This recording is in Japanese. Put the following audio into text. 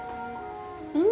うん。